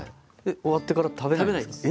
終わってから食べないんですか？